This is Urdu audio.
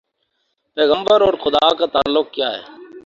پیغمبر اور خدا کا تعلق کیا ہے؟